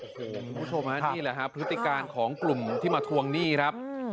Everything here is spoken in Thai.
คุณผู้ชมฮะนี่แหละครับพฤติการของกลุ่มที่มาทวงหนี้ครับ